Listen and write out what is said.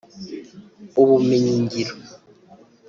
ubumenyingiro